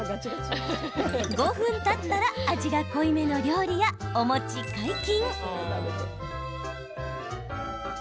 ５分たったら味が濃いめの料理や、お餅解禁。